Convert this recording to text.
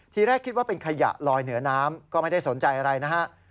ทีแรกคิดว่าเป็นขยะลอยเหนือน้ำก็ไม่ได้สนใจอะไรนะฮะ